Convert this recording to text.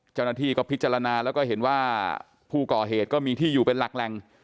เจ้าหน้าที่ก็พิจารณาแล้วก็เห็นว่าผู้ก่อเหตุก็มีที่อยู่เป็นหลักแหล่ง